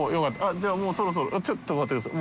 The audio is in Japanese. じゃあもうそろそろちょっと止まってください。